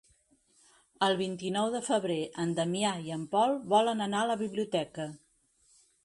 El vint-i-nou de febrer en Damià i en Pol volen anar a la biblioteca.